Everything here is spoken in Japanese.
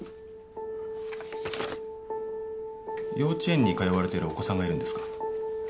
幼稚園に通われてるお子さんがいるんですか？